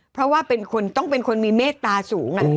เพราะว่าเป็นคนต้องเป็นคนมีเมตตาสูง